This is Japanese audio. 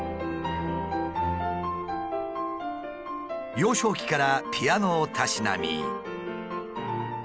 幼少期からピアノをたしなみ。